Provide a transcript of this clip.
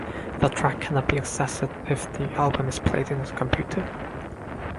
The track cannot be accessed if the album is played in a computer.